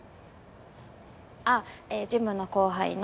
あっジムの後輩の。